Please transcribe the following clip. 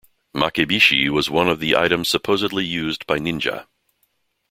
"Makibishi" were one of the items supposedly used by ninja.